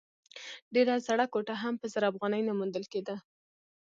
ډېره زړه کوټه هم په زر افغانۍ نه موندل کېده.